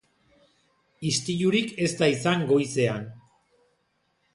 Istilurik ez da izan goizean.